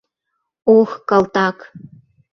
— Ох, калтак!